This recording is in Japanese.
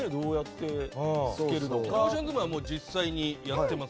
ローション相撲は実際にやってます。